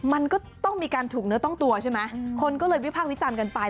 มันก็ต้องมีการถูกเนื้อต้องตัวใช่ไหมคนก็เลยวิพากษ์วิจารณ์กันไป